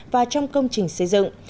và trong công trình xây dựng